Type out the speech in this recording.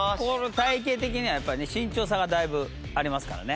体形的にはやっぱりね身長差がだいぶありますからね。